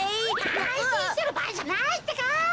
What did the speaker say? あんしんしてるばあいじゃないってか！